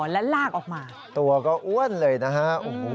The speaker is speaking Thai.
แล้วลากออกมาตัวก็อ้วนเลยนะฮะ